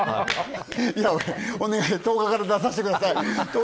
お願い１０日から出させてください！